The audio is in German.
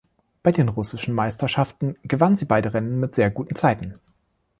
Bei den russischen Meisterschaften gewann sie beide Rennen mit sehr guten Zeiten.